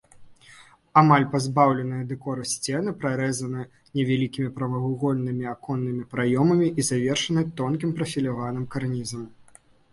Амаль пазбаўленыя дэкору сцены прарэзаны невялікімі прамавугольнымі аконнымі праёмамі і завершаны тонкім прафіляваным карнізам.